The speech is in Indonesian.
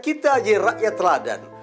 kita jadi rakyat teladan